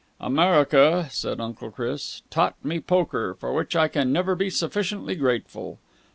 "America," said Uncle Chris, "taught me poker, for which I can never be sufficiently grateful.